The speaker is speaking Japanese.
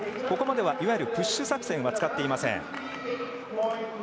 ここまでは、いわゆるプッシュ作戦は使っていません。